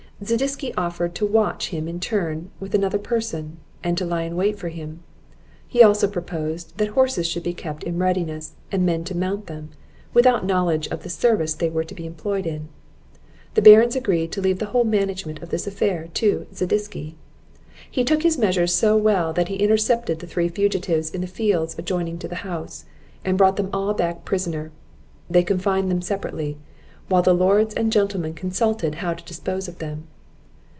Zadisky offered to watch him in turn with another person, and to lie in wait for him; he also proposed, that horses should be kept in readiness, and men to mount them, without knowledge of the service they were to be employed in. The Barons agreed to leave the whole management of this affair to Zadisky. He took his measures so well, that he intercepted the three fugitives in the fields adjoining to the house, and brought them all back prisoner. They confined them separately, while the Lords and Gentlemen consulted how to dispose of them.